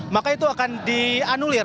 maka itu akan dianulir